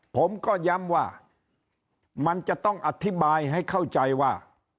ผมก็ย้ำว่ามันจะต้องอธิบายให้เข้าใจว่า